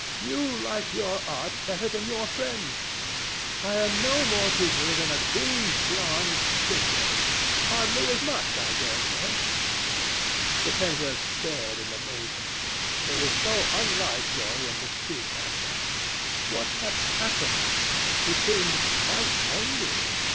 You like your art better than your friends. I am no more to you than a green bronze figure. Hardly as much, I dare say." The painter stared in amazement. It was so unlike Dorian to speak like that. What had happened? He seemed quite angry.